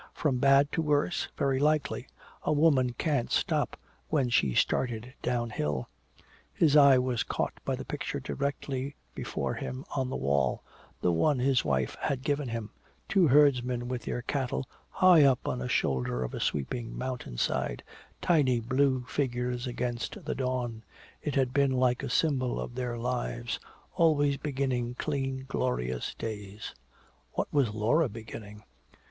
"From bad to worse, very likely. A woman can't stop when she's started downhill." His eye was caught by the picture directly before him on the wall the one his wife had given him two herdsmen with their cattle high up on a shoulder of a sweeping mountain side, tiny blue figures against the dawn. It had been like a symbol of their lives, always beginning clean glorious days. What was Laura beginning?